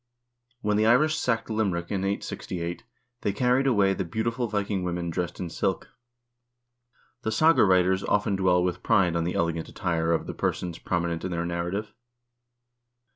When the Irish sacked Limerick in 868, they carried away the " beau tiful Viking women dressed in silk." The saga writers often dwell with pride on the elegant attire of the persons prominent in their narrative.